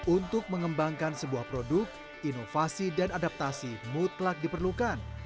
untuk mengembangkan sebuah produk inovasi dan adaptasi mutlak diperlukan